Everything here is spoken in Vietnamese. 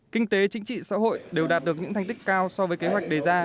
kinh tế chính trị xã hội đều đạt được những thành tích cao so với kế hoạch đề ra